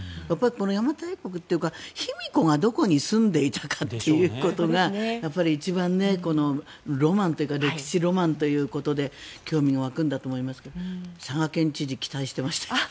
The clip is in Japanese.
邪馬台国というか、卑弥呼がどこに住んでいたかということがやっぱり一番ロマンというか歴史ロマンということで興味が湧くんだと思いますが佐賀県知事期待してましたね。